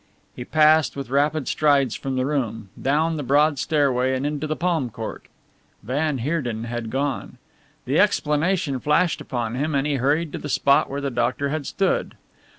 He passed with rapid strides from the room, down the broad stairway and into the palm court. Van Heerden had gone. The explanation flashed upon him and he hurried to the spot where the doctor had stood.